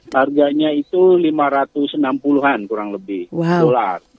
harganya itu lima ratus enam puluh an kurang lebih dolar